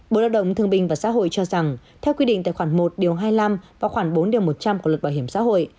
bộ lao động thương bình và xã hội cho rằng theo quy định tài khoản một điều hai mươi năm và khoảng bốn điều một trăm linh của luật bảo hiểm xã hội